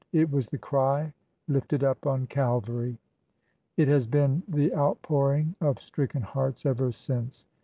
It was the cry lifted up on Calvary. It has been the outpouring of stricken hearts ever since.